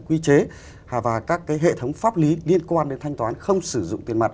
quy chế và các hệ thống pháp lý liên quan đến thanh toán không sử dụng tiền mặt